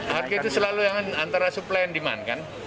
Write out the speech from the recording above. harga itu selalu antara suplai yang dimakan